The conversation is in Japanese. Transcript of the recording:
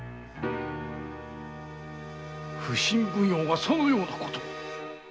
普請奉行がそのようなことを。